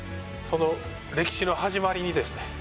その歴史の始まりにですね